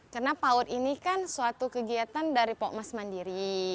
karena paut ini kan suatu kegiatan dari pokmas mandiri